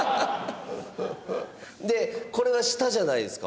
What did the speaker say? でこれは下じゃないですか。